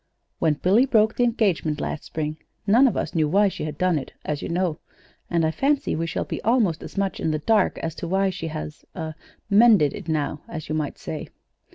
When Billy broke the engagement last spring none of us knew why she had done it, as you know; and I fancy we shall be almost as much in the dark as to why she has er mended it now, as you might say.